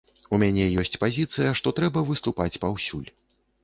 У мяне ёсць пазіцыя, што трэба выступаць паўсюль.